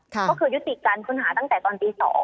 ก็คือยุติการค้นหาตั้งแต่ตอนตี๒